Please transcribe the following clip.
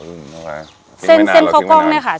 อืมอะไรเรากินไม่นาน